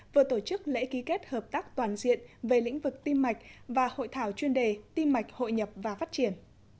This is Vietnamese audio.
vừa tổ chức lễ ký kết hợp tác toàn diện về lĩnh vực tim mạch và hội thảo chuyên đề tim mạch hội nhập và phát triển